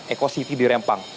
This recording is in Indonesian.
eko city di rempang